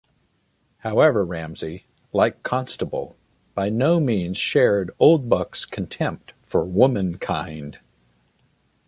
However Ramsay, like Constable, by no means shared Oldbuck's contempt for "womankind".